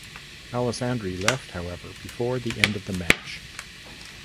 Alessandri left however before the end of the match.